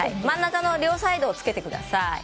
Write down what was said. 真ん中の両サイドをつけてください。